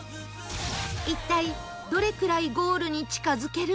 一体どれくらいゴールに近付けるのでしょうか？